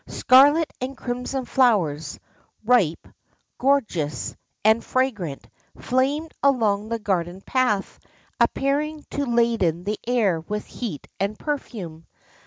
Scarlet and crimson flowers, ripe, gorgeous, and fragrant, flamed along the garden path, appear ing to laden the air with heat and perfume.